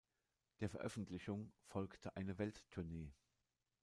Der Veröffentlichung folgte eine Welttournee.